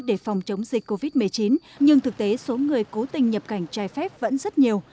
để phòng chống dịch covid một mươi chín nhưng thực tế số người cố tình nhập cảnh trái phép vẫn rất nhiều